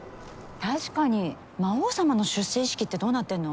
確かに魔王様の出世意識ってどうなってんの？